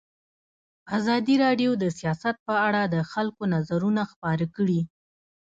ازادي راډیو د سیاست په اړه د خلکو نظرونه خپاره کړي.